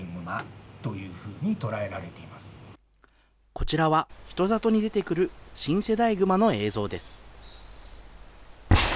こちらは人里に出てくる新世代グマの映像です。